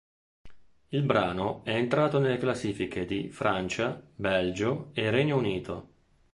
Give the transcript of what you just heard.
Il brano è entrato nelle classifiche di Francia, Belgio e Regno Unito.